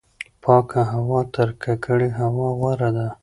پاکه هوا تر ککړې هوا غوره ده.